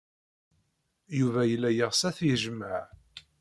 Yuba yella yeɣs ad t-yejmeɛ.